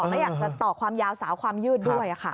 ไม่อยากจะต่อความยาวสาวความยืดด้วยค่ะ